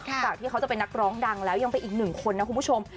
จากที่เขาจะเป็นนักร้องดังแล้วยังเป็นอีกหนึ่งคนนะคุณผู้ชม